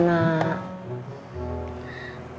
nunggu udah gajian mah kelamaan